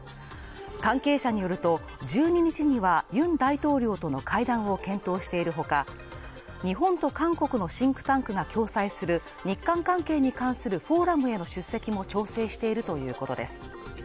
関係者によると、１２日にはユン大統領との会談を検討している他日本と韓国のシンクタンクが共催する日韓関係に関するフォーラムへの出席も調整しているということです。